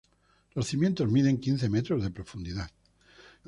Los cimientos miden quince metros de profundidad.